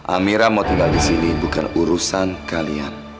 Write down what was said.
amira mau tinggal disini bukan urusan kalian